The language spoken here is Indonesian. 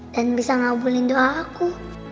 dan bisa ngabulin doa aku